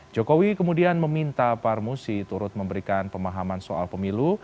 jokowi kemudian meminta parmusi turut memberikan pemahaman soal pemilu